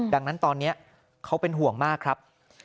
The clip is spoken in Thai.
ดังนั้นตอนนี้เขาเป็นห่วงมากครับ